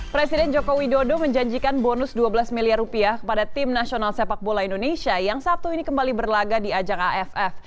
presiden joko widodo menjanjikan bonus dua belas miliar rupiah kepada tim nasional sepak bola indonesia yang sabtu ini kembali berlaga di ajang aff